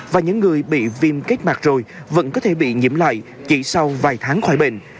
và những người bị viêm kết mạc rồi vẫn có thể bị nhiễm lại chỉ sau vài tháng khỏi bệnh